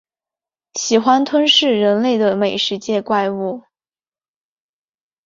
喜欢吞噬人类的美食界怪物。